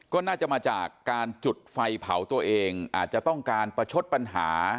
ก็น่าจะมาจากการจุดไฟเผาตัวเองอาจจะต้องการประชดปัญหา